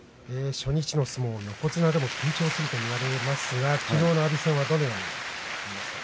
初日の相撲、横綱でも緊張すると言われますが、昨日の阿炎戦はどのように見えましたか。